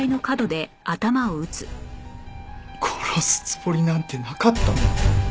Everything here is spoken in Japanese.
殺すつもりなんてなかったんだ。